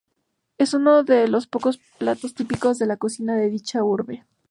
Es uno de los pocos platos típicos de la cocina de dicha urbe.